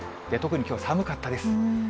特にきょう、寒かったです。